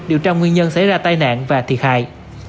điều tra nguyên nhân xảy ra tai nạn và thiệt hại